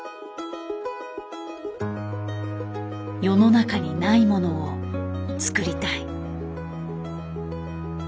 「世の中にないものを作りたい」。